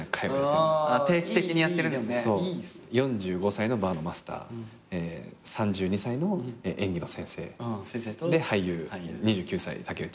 ４５歳のバーのマスター３２歳の演技の先生で俳優２９歳竹内。